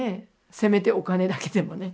せめてお金だけでもね。